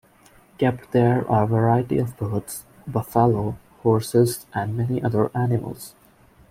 Kept there are variety of birds, buffalo, horses, and many other animals.